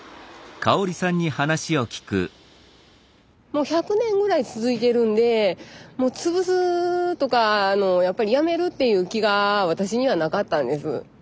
もう１００年ぐらい続いてるんでもう潰すとかやっぱりやめるっていう気が私にはなかったんです。